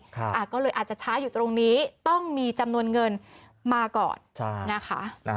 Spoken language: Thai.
ก็เลยอาจจะช้าอยู่ตรงนี้ต้องมีจำนวนเงินมาก่อนนะคะ